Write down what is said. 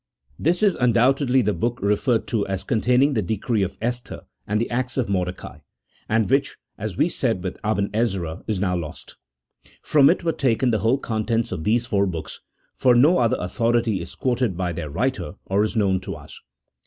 This is undoubtedly the book referred to as containing the decree of Esther and the acts of Mordecai ; and which, as we said with Aben Ezra, is now lost. From it were taken the whole contents of these four books, for no other authority is quoted by their writer, or is known to us.